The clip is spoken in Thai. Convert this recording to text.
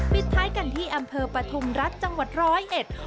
ปิดท้ายกันที่อำเภอปฐุมรัฐจังหวัดร้อยเอ็ด